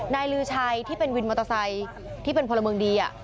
ลือชัยที่เป็นวินมอเตอร์ไซค์ที่เป็นพลเมืองดี